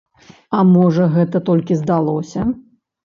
А можа, гэта толькі здалося?